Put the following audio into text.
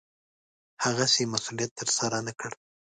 هغسې مسوولت ترسره نه کړ.